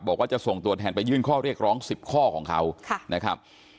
บอกว่าจะส่งตัวแทนไปยื่นข้อเรียกร้อง๑๐ข้อของเขานะครับ